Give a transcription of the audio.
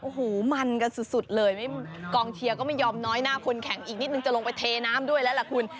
โอ้โหมันกันสุดเลยกองเชียร์ก็ไม่ยอมน้อยหน้าคนแข่งอีกนิดนึงจะลงไปเทน้ำด้วยแล้วล่ะคุณ